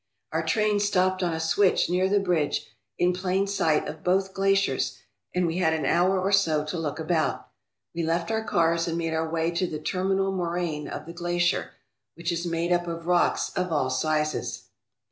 Our train stopped on a switch near the bridge, in plain sight of both glaciers, and we had an hour or so to look about. We left our cars and made our way to the termi nal moraine of the glacier, which is made up of rocks of all sizes.